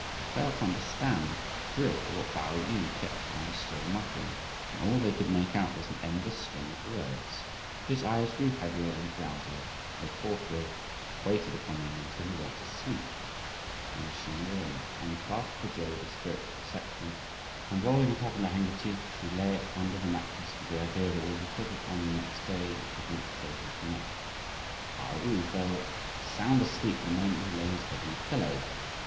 But they failed to understand the drift of what Pao yü kept on still muttering, and all they could make out was an endless string of words; but his eyes grew heavier and drowsier, and they forthwith waited upon him until he went to sleep; when Hsi Jen unclasped the jade of spiritual perception, and rolling it up in a handkerchief, she lay it under the mattress, with the idea that when he put it on the next day it should not chill his neck. Pao yü fell sound asleep the moment he lay his head on the pillow.